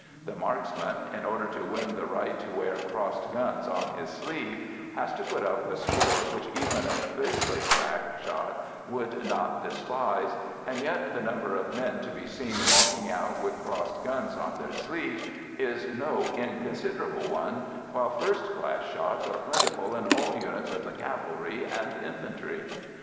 The "marksman," in order to win the right to wear crossed guns on his sleeve, has to put up a score which even a Bisley crack shot would not despise, and yet the number of men to be seen walking out with crossed guns on their sleeves is no inconsiderable one, while first class shots are plentiful in all units of the cavalry and infantry.